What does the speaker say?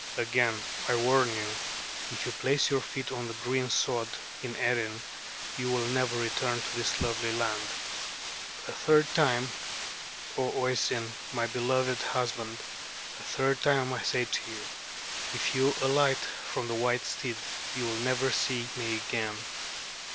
Again I warn you, if you place your feet on the green sod in Erin, you will never return to this lovely land. A third time, O Oisin, my beloved husband, a third time I say to you, if you alight from the white steed you will never see me again."